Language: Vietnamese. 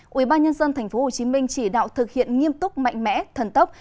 quỹ ba nhân dân tp hcm chỉ đạo thực hiện nghiêm túc mạnh mẽ thần tốc